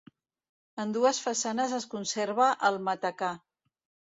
En dues façanes es conserva el matacà.